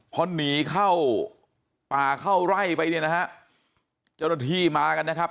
พอหนีเข้าป่าเข้าไร่ไปเนี่ยนะฮะเจ้าหน้าที่มากันนะครับ